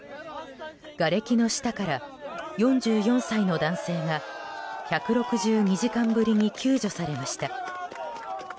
がれきの下から、４４歳の男性が１６２時間ぶりに救助されました。